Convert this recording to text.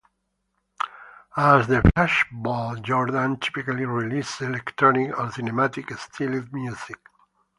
As The Flashbulb, Jordan typically releases electronic or cinematic styled music.